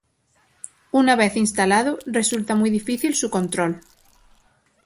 Una vez instalado, resulta muy difícil su control.